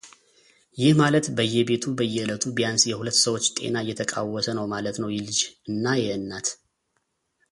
ይህ ማለት በየቤቱ በየዕለቱ ቢያንስ የሁለት ሰዎች ጤና እየተቃወሰ ነው ማለት ነው የልጅ እና የእናት።